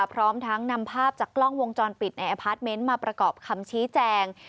พร้อมทั้งนำภาพจากกล้องวงจรปิดในอพาร์ทเมนต์มาประกอบคำชี้แจง